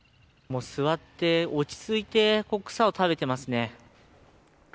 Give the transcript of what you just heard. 座って落ち着いて草を食べていますね。